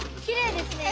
きれいです。